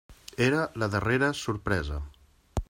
Era la darrera sorpresa.